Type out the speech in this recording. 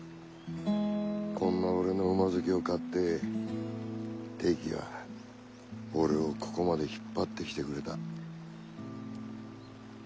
こんな俺の馬好きを買ってテキは俺をここまで引っ張ってきてくれた。